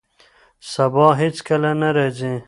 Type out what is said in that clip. سبا هیڅکله نه راځي.